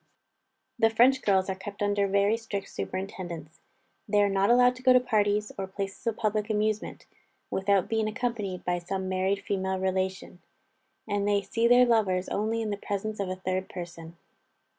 The French girls are kept under very strict superintendence. They are not allowed to go to parties, or places of public amusement, without being accompanied by some married female relation; and they see their lovers only in the presence of a third person.